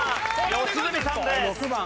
良純さんです。